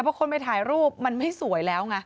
เพราะคนไปถ่ายรูปมันไม่สวยแล้วไง